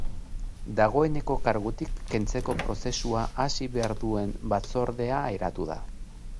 Dagoeneko kargutik kentzeko prozesua hasi behar duen batzordea eratu da.